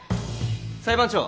裁判長